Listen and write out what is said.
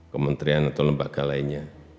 kementerian atau lembaga lainnya